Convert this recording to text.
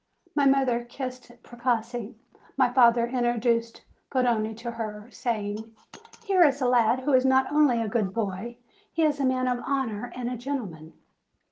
My mother kissed Precossi. My father introduced Garrone to her, saying: "Here is a lad who is not only a good boy; he is a man of honor and a gentleman."